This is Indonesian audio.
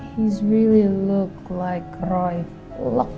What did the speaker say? dia beneran keliatan seperti roy